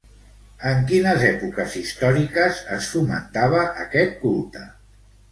En quines èpoques històriques es fomentava aquest culte?